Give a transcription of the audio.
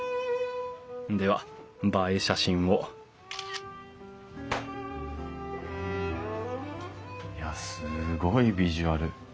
では映え写真をいやすごいビジュアル。